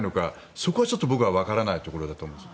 そこは僕は分からないところだと思います。